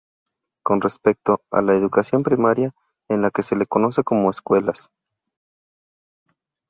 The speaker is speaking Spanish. Con respecto a la educación primaria, en la que se le conoce como escuelas.